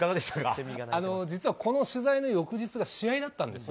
実は、この取材の翌日が試合だったんですよ。